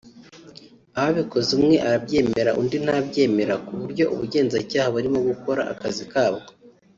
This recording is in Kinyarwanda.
ababikoze umwe arabyemera undi ntabyemera ku buryo ubugenzacyaha burimo gukora akazi kabwo